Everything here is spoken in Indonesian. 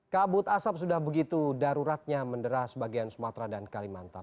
kabut asap sudah begitu daruratnya mendera sebagian sumatera dan kalimantan